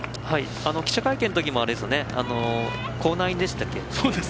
記者会見のときも口内炎でしたっけ。